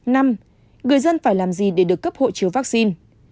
năm người dân phải làm gì để được cấp hộ chiếu vaccine